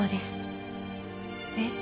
えっ？